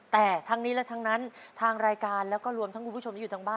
แต่ทั้งนี้และทั้งนั้นทางรายการแล้วก็รวมทั้งคุณผู้ชมที่อยู่ทางบ้าน